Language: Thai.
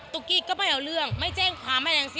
ตุ๊กกี้ก็ไม่เอาเรื่องไม่แจ้งความแม่งสิ้น